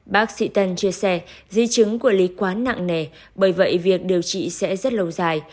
bác sĩ tân chia sẻ di chứng của lý quá nặng nề bởi vậy việc điều trị sẽ rất lâu dài